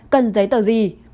cần giấy tờ gì